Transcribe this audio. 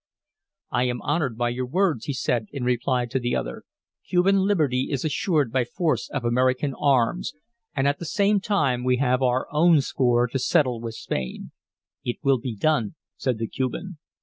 "I am honored by your words," he said, in reply to the other. "Cuban liberty is assured by force of American arms, and at the same time we have our own score to settle with Spain." "It will be done," said the Cuban.